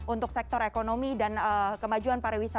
untuk sektor ekonomi dan kemajuan pariwisata